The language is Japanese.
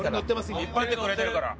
引っ張ってくれてるから。